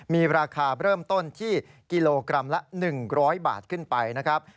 มีราคาเริ่มต้นที่กิโลกรัมละ๑๐๐บาทขึ้นไปนะครับ